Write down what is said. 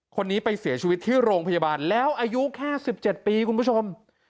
คนนี้ไปเสียชีวิตที่โรงพยาบาลแล้วอายุแค่๑๗ปีคุณผู้ชม